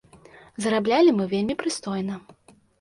Зараблялі мы вельмі прыстойна.